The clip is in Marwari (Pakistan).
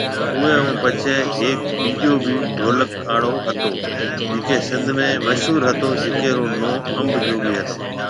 اوئي ھونپڇي ھيَََڪ ٻيجو بِي ڍولڪ آڙو ھتو جڪو سنڌ ۾ مشھور ھتو جڪي رو نون انب جوگي ھتو